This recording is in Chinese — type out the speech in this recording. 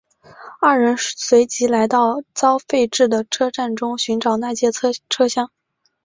二人随即来到遭废置的车站中寻找那节车厢。